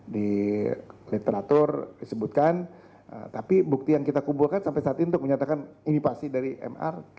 di literatur disebutkan tapi bukti yang kita kumpulkan sampai saat ini untuk menyatakan ini pasti dari mr